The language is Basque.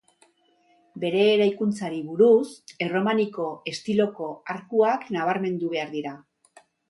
Bere eraikuntzari buruz, erromaniko estiloko arkuak nabarmendu behar dira.